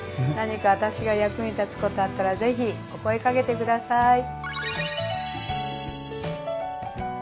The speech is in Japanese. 何か私が役に立つことあったらぜひお声かけて下さい。